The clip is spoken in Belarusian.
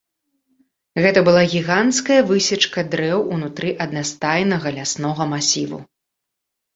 Гэта была гіганцкая высечка дрэў ўнутры аднастайнага ляснога масіву.